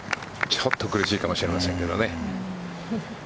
ちょっと苦しいかもしれませんけどね。